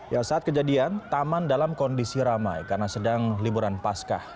ya saat kejadian taman dalam kondisi ramai karena sedang liburan pascah